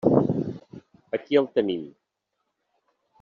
Aquí el tenim.